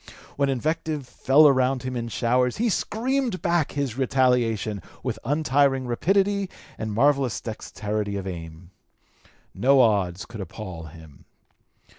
When invective fell around him in showers, he screamed back his retaliation with untiring rapidity and marvellous dexterity of aim. No odds could appall him.